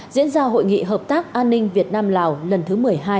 diễn ra hội nghị hợp tác an ninh việt nam lào lần thứ một mươi hai